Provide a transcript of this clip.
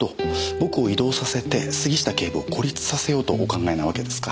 僕を異動させて杉下警部を孤立させようとお考えなわけですか。